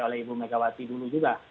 oleh ibu megawati dulu juga